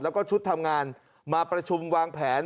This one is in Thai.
แล้วก็ชุดทำงานมาประชุมวางแผน